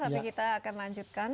tapi kita akan lanjutkan